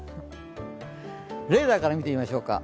レーダーから見てみましょうか。